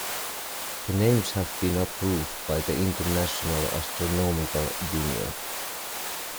The names have been approved by the International Astronomical Union.